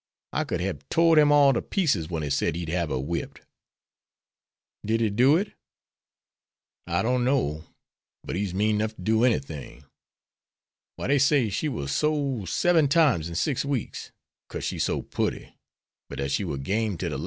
I could hab tore'd him all to pieces wen he said he'd hab her whipped." "Did he do it?" "I don't know. But he's mean 'nough to do enythin'. Why, dey say she war sole seben times in six weeks, 'cause she's so putty, but dat she war game to de las'."